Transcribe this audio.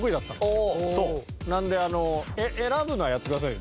なので選ぶのはやってくださいよ